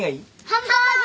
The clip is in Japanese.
ハンバーグ。